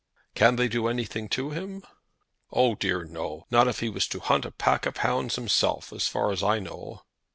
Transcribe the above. "Can they do anything to him?" "Oh dear no; not if he was to hunt a pack of hounds himself, as far as I know."